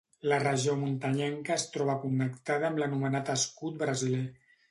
La regió muntanyenca es troba connectada amb l'anomenat escut brasiler.